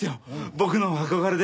僕の憧れで。